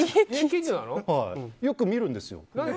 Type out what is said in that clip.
よく見るんですよ。